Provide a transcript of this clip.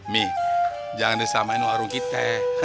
mie jangan disamain warung kita